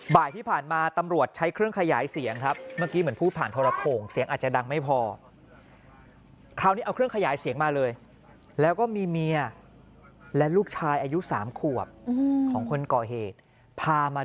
บ่ายที่ผ่านมาตำรวจใช้เครื่องขยายเสียงครับเมื่อกี้เหมือนผู้ผ่านทรโภงเสียงอาจจะดังไม่พอ